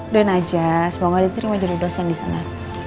udahin aja semoga di terima jadi dosen disana